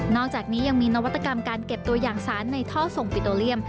อกจากนี้ยังมีนวัตกรรมการเก็บตัวอย่างสารในท่อส่งปิโตเรียม